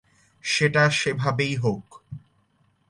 সেটা সেভাবেই হোক।